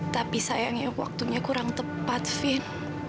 tapi sayangnya waktunya kurang tepat fin